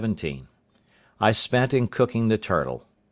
—I spent in cooking the turtle.